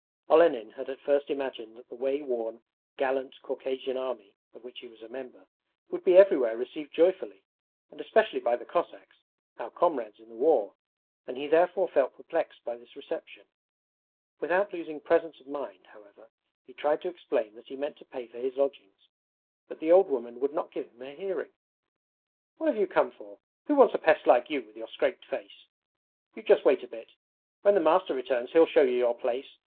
Olenin had at first imagined that the way worn, gallant Caucasian Army (of which he was a member) would be everywhere received joyfully, and especially by the Cossacks, our comrades in the war; and he therefore felt perplexed by this reception. Without losing presence of mind however he tried to explain that he meant to pay for his lodgings, but the old woman would not give him a hearing. 'What have you come for? Who wants a pest like you, with your scraped face? You just wait a bit; when the master returns he'll show you your place.